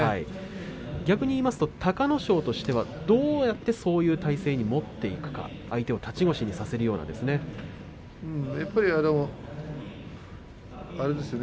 逆に言えば隆の勝としてはどうやってそういう体勢に持っていくか相手を立ち腰にさせるようなですね。